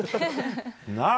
なあ？